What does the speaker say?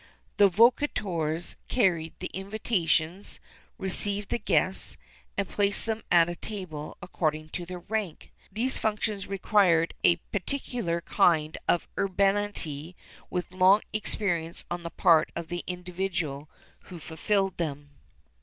[XXXIII 14] The vocatores carried the invitations, received the guests, and placed them at table according to their rank.[XXXIII 15] These functions required a peculiar kind of urbanity and long experience on the part of the individual who fulfilled them.